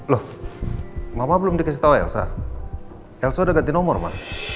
loh mama belum dikasih tau elsa elsa udah ganti nomor ma